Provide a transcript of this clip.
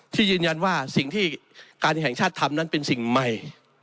ที่ยืนยันว่าสิ่งที่การแห่งชาติทำนั้นเป็นสิ่งใหม่